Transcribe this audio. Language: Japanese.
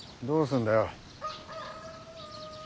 どうすんだよ。